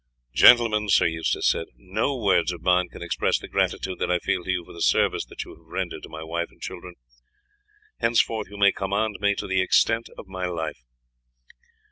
"Gentlemen," Sir Eustace said, "no words of mine can express the gratitude that I feel to you for the service that you have rendered to my wife and children. Henceforth you may command me to the extent of my life."